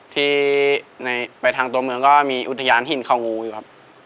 ที่ไปทางตัวเมืองก็มีอุทยานหินเขางูอยู่ครับ